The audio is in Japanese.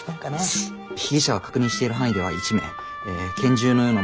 被疑者は確認している範囲では１名拳銃のようなものを所持。